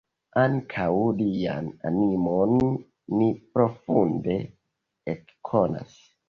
Ankaŭ lian animon ni profunde ekkonas.